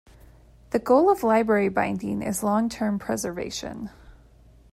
The goal of library binding is long-term preservation.